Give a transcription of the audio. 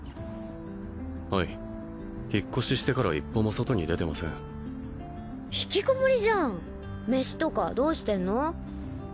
はい引っ越ししてから一歩も外に出てません引きこもりじゃん飯とかどうしてんの？